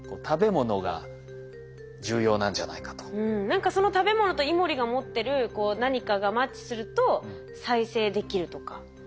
何かその食べ物とイモリが持ってる何かがマッチすると再生できるとか。